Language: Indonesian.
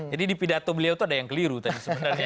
jadi di pidato beliau itu ada yang keliru tadi sebenarnya